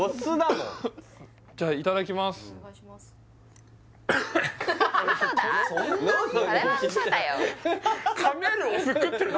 じゃあいただきます嘘だ